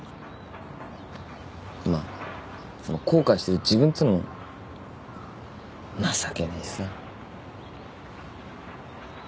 まあその後悔してる自分っつうのも情けねえしさ。